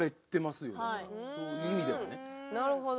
なるほど。